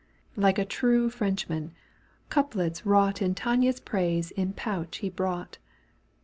Like a true Frenchman, couplets wrought In Tania's praise in pouch he brought.